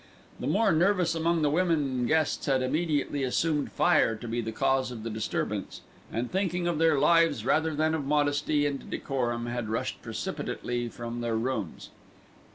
The more nervous among the women guests had immediately assumed fire to be the cause of the disturbance, and thinking of their lives rather than of modesty and decorum, had rushed precipitately from their rooms.